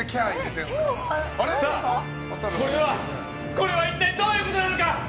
これは一体どういうことなのか。